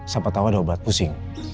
siapa tahu ada obat pusing